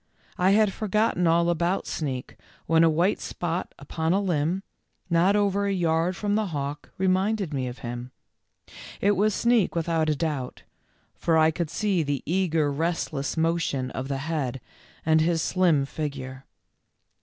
I had forgotten all about Sneak when a white spot upon a limb, not over a yard from the hawk, reminded me of him. It was Sneak, without a doubt, for I could see the eager rest less motion of the head, and his slim figure.